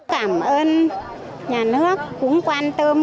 cảm ơn nhà nước cũng quan tâm